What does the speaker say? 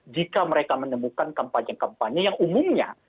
jika mereka menemukan kampanye kampanye yang umumnya